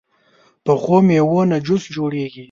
پخو میوو نه جوس جوړېږي